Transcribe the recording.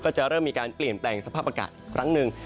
จะเริ่มมีการเปลี่ยนแปลงสภาพอากาศครั้งหนึ่ง